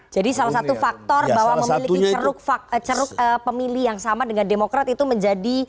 jadi salah satu faktor bahwa memiliki ceruk pemilih yang sama dengan demokrat itu menjadi